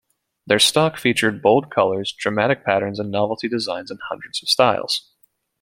Their stock featured bold colours, dramatic patterns and novelty designs in hundreds of styles.